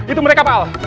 itu mereka pak al